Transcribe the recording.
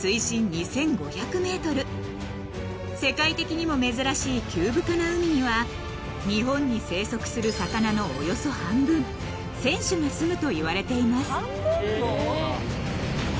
［世界的にも珍しい急深な海には日本に生息する魚のおよそ半分１，０００種がすむといわれています］